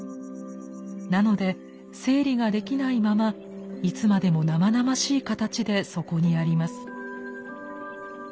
なので整理ができないままいつまでも生々しい形でそこにあります。